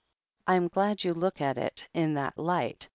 "Fm glad you look at it in that light.